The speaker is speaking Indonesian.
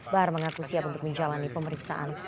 bahar mengaku siap untuk menjalani pemeriksaan